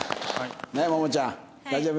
ねえももちゃん大丈夫？